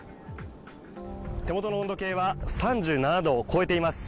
手元の温度計は３７度を超えています。